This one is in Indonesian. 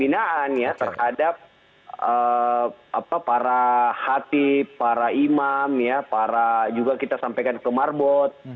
dan mereka di masing masing komunitas itu juga melakukan pembinaan ya terhadap para khatib para imam para juga kita sampaikan ke marbot